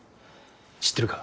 知ってるか？